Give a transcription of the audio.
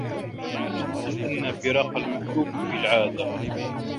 لِأَنَّ فِرَاقَ الْمَأْلُوفِ فِي الْعَادَةِ